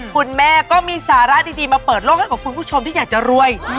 คุณแม่ก็มีสาระดีมาเปิดโลกให้กับคุณผู้ชมที่อยากจะรวย